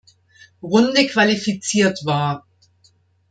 Runde qualifiziert war.